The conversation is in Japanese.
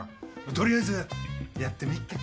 取りあえずやってみっか。